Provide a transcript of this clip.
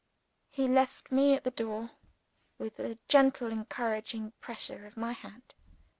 He left me at the door, with a gentle encouraging pressure of my hand.